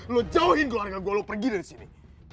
lu jauhin keluarga gue lo pergi dari sini